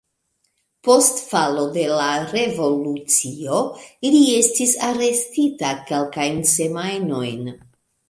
Post falo de la revolucio li estis arestita kelkajn semajnojn.